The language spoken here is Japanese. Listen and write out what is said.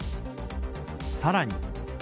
さらに。